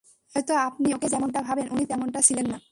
হয়তো আপনি ওকে যেমনটা ভাবেন, উনি তেমনটা ছিলেন না।